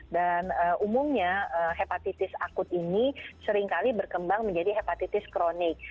dan umumnya hepatitis akut ini seringkali berkembang menjadi hepatitis kronik